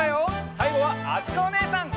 さいごはあつこおねえさん！